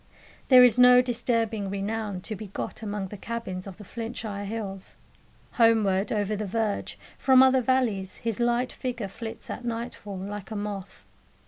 There is no disturbing renown to be got among the cabins of the Flintshire hills. Homeward, over the verge, from other valleys, his light figure flits at nightfall, like a moth.